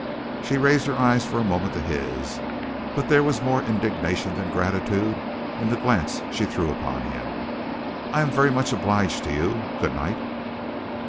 She raised her eyes for a moment to his, but there was more indignation than gratitude in the glance she threw upon him. "I am very much obliged to you. Good night!"